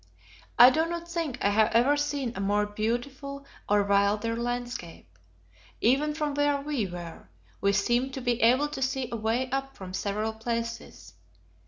I do not think I have ever seen a more beautiful or wilder landscape. Even from where we were, we seemed to be able to see a way up from several places.